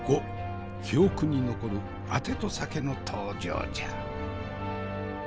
記憶に残るあてと酒の登場じゃ。